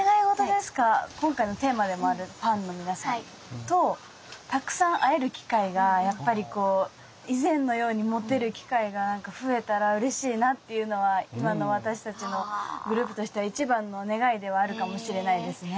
今回のテーマでもあるファンの皆さんとたくさん会える機会がやっぱりこう以前のように持てる機会が増えたらうれしいなっていうのは今の私たちのグループとしては一番の願いではあるかもしれないですね。